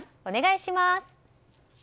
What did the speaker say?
お願いします。